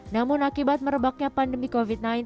namun akibat merebaknya pandemi covid sembilan belas